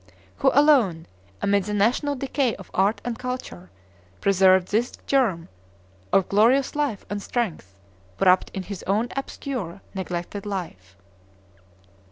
who alone, amid the national decay of art and culture, preserved this germ of glorious life and strength, wrapped in his own obscure, neglected life!